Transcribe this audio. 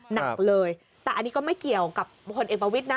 หนักเลยแต่อันนี้ก็ไม่เกี่ยวกับผลเอกประวิทย์นะ